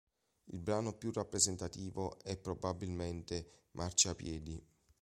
Il brano più rappresentativo è probabilmente "Marciapiedi".